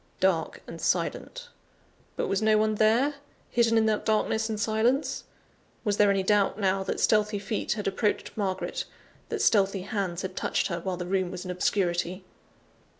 Dark and silent. But was no one there, hidden in that darkness and silence? Was there any doubt now, that stealthy feet had approached Margaret, that stealthy hands had touched her, while the room was in obscurity?